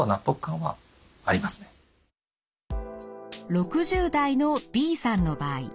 ６０代のＢさんの場合。